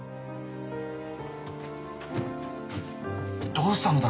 どうしたのだ？